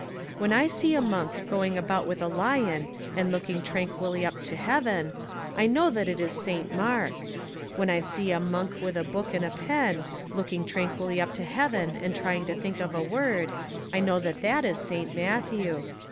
When I see a monk going about with a lion and look ing tranquilly up to heaven, I know that that is Saint Mark. When I see a monk with a book and a pen, looking tranquilly up to heaven and trying to think of a word, I know that that is Saint Matthew.